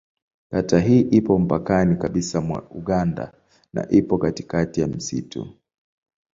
Kata hii ipo mpakani kabisa mwa Uganda na ipo katikati ya msitu.